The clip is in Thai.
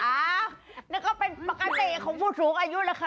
อ้าวนี่ก็เป็นปกติของผู้สูงอายุแหละค่ะ